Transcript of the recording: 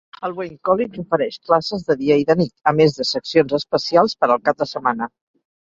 El Wayne College ofereix classes de dia i de nit, a més de seccions especials per al cap de setmana.